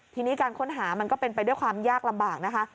ทีนี้การค้นหามันก็เป็นไปด้วยความยากลำบากนะคะ